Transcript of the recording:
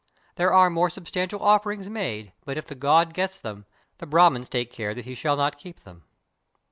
There are more substantial offerings made, but if the god gets them, the Brahmins take care that he shall not keep them.